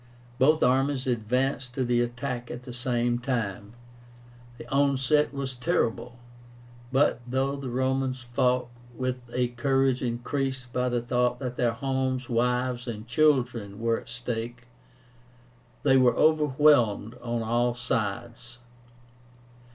Both armies advanced to the attack at the same time. The onset was terrible; but though the Romans fought with a courage increased by the thought that their homes, wives, and children were at stake, they were overwhelmed on all sides.